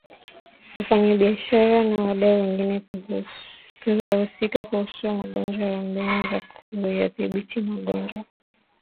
wafanyabiashara na wadau wengine wahusika kuhusu magonjwa na mbinu za kuyadhibiti magonjwa